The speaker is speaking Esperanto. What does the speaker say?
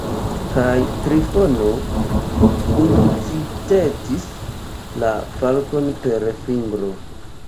Kaj Trifono incitetis la falkon per fingro.